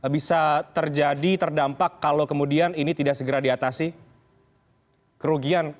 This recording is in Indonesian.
bisa terjadi terdampak kalau kemudian ini tidak segera diatasi kerugian